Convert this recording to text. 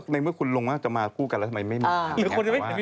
ในเมื่อคุณลงมาแล้วจะมาผู้กันหรือทำไมไม่มี